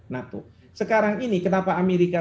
nato sekarang ini kenapa amerika